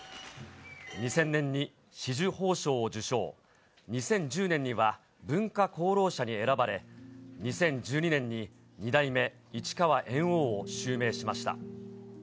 ２０００年に紫綬褒章を受章、２０１０年には文化功労者に選ばれ、２０１２年に二代目市川猿翁を襲名しました。